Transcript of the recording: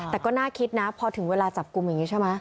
แต่ก็น่าคิดนะพอถึงเวลาจับกลุ่มอย่างนี้ใช่ไหม